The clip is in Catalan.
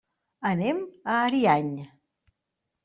Anem a Ariany.